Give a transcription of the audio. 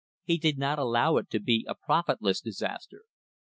He did not allow it to be a profitless disaster.